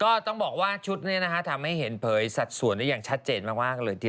ก็ต้องบอกว่าชุดนี้นะคะทำให้เห็นเผยสัดส่วนได้อย่างชัดเจนมากเลยทีเดียว